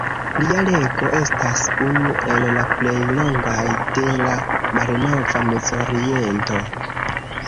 Lia rego estas unu el la plej longaj de la malnova Mezoriento.